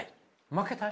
負けたい？